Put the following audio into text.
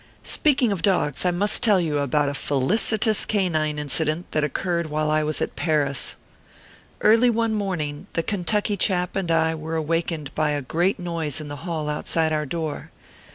Speaking of dogs, I must tell you about a felis itous canine incident that occurred while I was at Paris. Early one morning, the Kentucky chap and I were awakened by a great noise in the hall outside our door.